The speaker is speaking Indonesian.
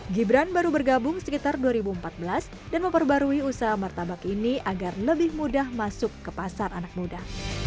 gibran baru bergabung sekitar dua ribu empat belas dan memperbarui usaha martabak ini agar lebih mudah masuk ke pasar anak muda